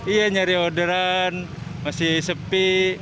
iya nyari orderan masih sepi